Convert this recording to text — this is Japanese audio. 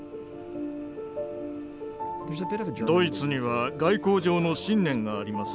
ドイツには外交上の信念があります。